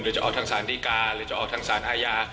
หรือจะออกทางศาลดิการหรือจะออกทางศาลอาญา